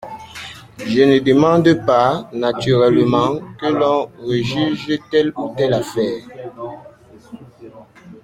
Je ne demande pas, naturellement, que l’on rejuge telle ou telle affaire.